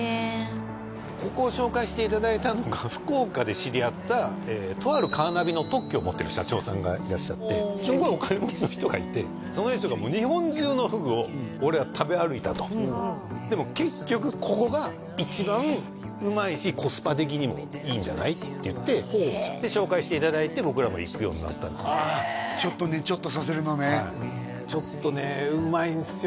ここを紹介していただいたのが福岡で知り合ったとあるカーナビの特許を持ってる社長さんがいらっしゃってすごいお金持ちの人がいてその人が日本中のふぐを俺は食べ歩いたとでも結局ここが一番うまいしコスパ的にもいいんじゃない？って言って紹介していただいて僕らも行くようになったちょっとネチョッとさせるのねちょっとねうまいんすよ